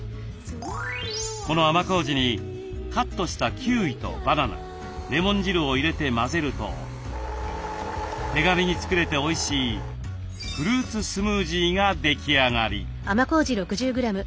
この甘こうじにカットしたキウイとバナナレモン汁を入れて混ぜると手軽に作れておいしいフルーツスムージーが出来上がり。